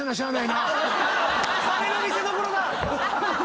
金の見せどころだ！